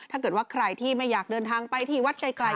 ถ้าเกิดว่าใครที่ไม่อยากเดินทางไปที่วัดไกล